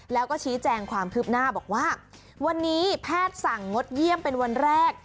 แล้วก็ชี้แจงความคืบหน้าบอกว่าวันนี้แพทย์สั่งงดเยี่ยมเป็นวันแรก